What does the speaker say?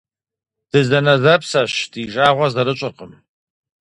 Дызэнэзэпсэщ, ди жагъуэ зэрыщӀыркъым.